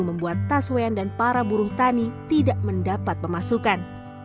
membuat tas weyan dan para buruh tani tidak mendapat pemasukan